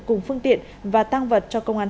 cùng phương tiện và tăng vật cho công an